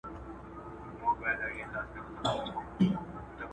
د صادراتو د ډېرېدو لپاره لارې چارې ولټوئ.